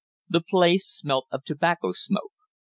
The place smelt of tobacco smoke.